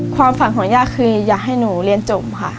ความฝันของยางคืออยากให้หนูเรียนโจม